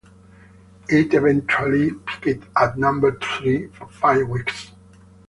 It eventually peaked at number three for five weeks.